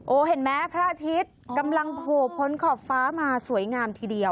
เห็นไหมพระอาทิตย์กำลังโผล่พ้นขอบฟ้ามาสวยงามทีเดียว